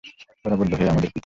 ওরা বলল, হে আমাদের পিতা!